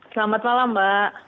selamat malam mbak